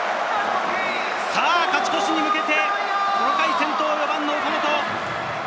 さぁ勝ち越しに向けて、この回先頭４番の岡本。